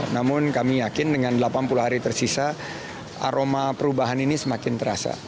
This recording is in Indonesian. namun kami yakin dengan delapan puluh hari tersisa aroma perubahan ini semakin terasa